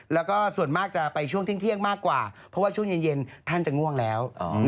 แล้วก็ส่วนมากจะไปช่วงเที่ยงมากกว่าเพราะว่าช่วงเย็นท่านจะง่วงแล้ว